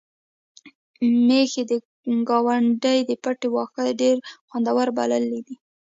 میښې د ګاونډي د پټي واښه ډېر خوندور بللي دي.